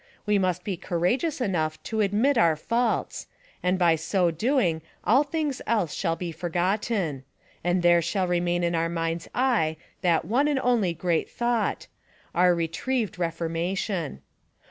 e must be courageous enough to admit our faults ; and by so doing all things else shall be forgotten ; and there shall reniain in our mind's eye thatone and only great thought: Our retrieved reformation.